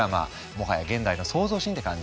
もはや現代の創造神って感じ？